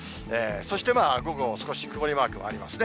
そして午後も少し曇りマークありますね。